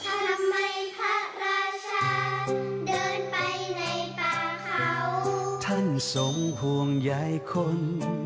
ส่งน้ำตาซึงหยดลงข้างกำแพง